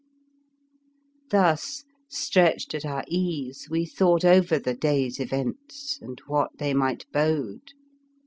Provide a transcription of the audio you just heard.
Thus, stretched at our ease, we thought over the day's events, and what they might bode.